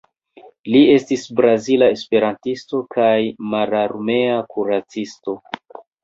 Li estis brazila esperantisto kaj mararmea kuracisto.